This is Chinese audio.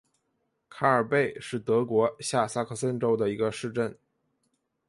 卡尔贝是德国下萨克森州的一个市镇。